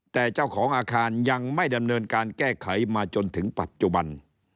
แต่เจ้าของอาคารยังไม่ดำเนินการแก้ไขมาจนถึงปัจจุบัน